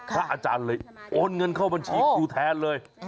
อาจารย์เลยโอนเงินเข้าบัญชีครูแทนเลย